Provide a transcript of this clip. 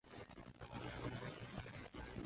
尚未发生大于十年一遇的洪水。